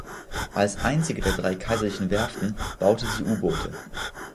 Als einzige der drei Kaiserlichen Werften baute sie U-Boote.